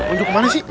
ujung kemana sih